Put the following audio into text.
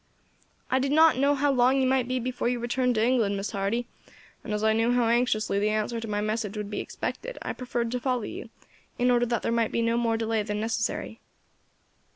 "I did not know how long you might be before you returned to England, Miss Hardy, and as I knew how anxiously the answer to my message would be expected, I preferred to follow you, in order that there might be no more delay than necessary."